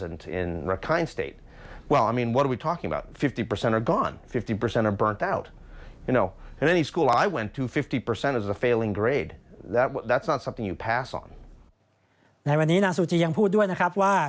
ในวันนี้นางซูจียังพูดด้วยนะครับว่า